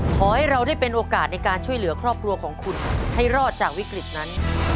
ขอให้เราได้เป็นโอกาสในการช่วยเหลือครอบครัวของคุณให้รอดจากวิกฤตนั้น